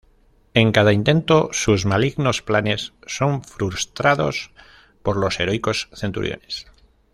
En cada intento sus malignos planes son frustrados por los heroicos Centuriones.